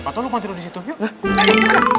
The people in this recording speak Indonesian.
lepas itu lo manti lopi disitu yuk